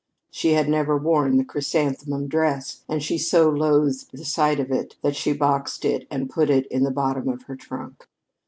She had never worn the chrysanthemum dress, and she so loathed the sight of it that she boxed it and put it in the bottom of her trunk.